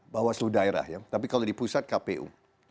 bawaslu daerah ya tapi kalau di pusat kpu